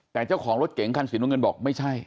แต่เจ้าของรถเก๋งคันสีน้ำเงินบอกไม่ใช่